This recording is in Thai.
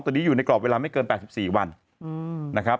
ตอนนี้อยู่ในกรอบเวลาไม่เกิน๘๔วันนะครับ